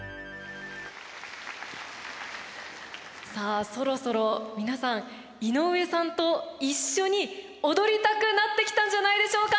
さあそろそろ皆さん井上さんと一緒に踊りたくなってきたんじゃないでしょうか？